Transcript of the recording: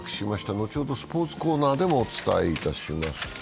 後ほどスポーツコーナーでもお伝えいたします。